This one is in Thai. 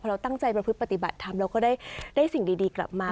เราตั้งใจประพฤติปฏิบัติธรรมเราก็ได้สิ่งดีกลับมา